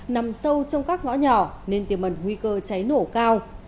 nằm sâu trong các ngõ nhỏ nên tiềm ẩn nguy cơ cháy nổ cao